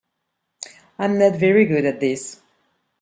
I'm not very good at this.